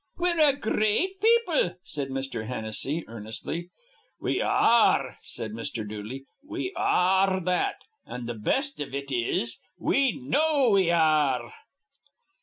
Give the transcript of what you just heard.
"We're a gr reat people," said Mr. Hennessy, earnestly. "We ar re," said Mr. Dooley. "We ar re that. An' th' best iv it is, we know we ar re."